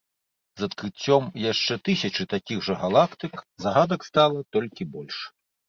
З адкрыццём яшчэ тысячы такіх жа галактык загадак стала толькі больш.